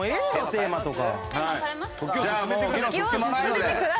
テーマとか。